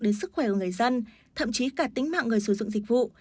đến sức khỏe của người dân thậm chí cả tính mạng người sử dụng dịch vụ